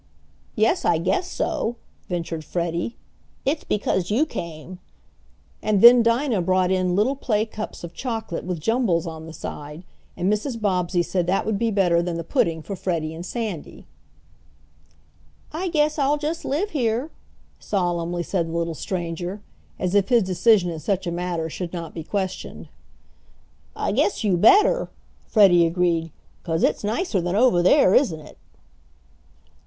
"Yes, I guess so," ventured Freddie; "it's because you came," and then Dinah brought in little play cups of chocolate with jumbles on the side, and Mrs. Bobbsey said that would be better than the pudding for Freddie and Sandy. "I guess I'll just live here," solemnly said the little stranger, as if his decision in such a matter should not be questioned. "I guess you better!" Freddie agreed, "'cause it's nicer than over there, isn't it?"